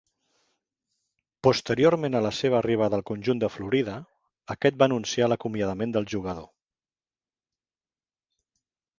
Posteriorment a la seva arribada al conjunt de Florida, aquest va anunciar l'acomiadament del jugador.